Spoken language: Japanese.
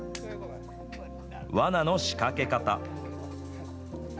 わなの仕掛け方。